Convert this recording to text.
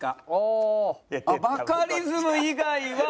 あっバカリズム以外は。